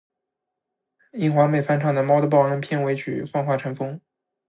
樱花妹翻唱《猫的报恩》片尾曲《幻化成风》